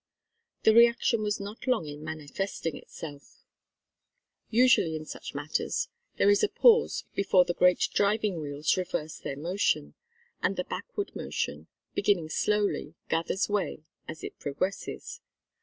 The reaction was not long in manifesting itself. Usually in such matters there is a pause before the great driving wheels reverse their motion, and the backward motion, beginning slowly, gathers way as it progresses.